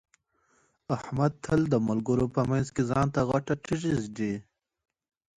احمد تل د ملګرو په منځ کې ځان ته غټه ډېره ږدي.